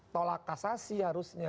tolak kasasi harusnya